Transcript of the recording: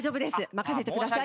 任せてください。